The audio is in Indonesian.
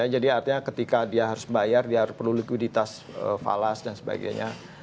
jadi artinya ketika dia harus bayar dia perlu likuiditas falas dan sebagainya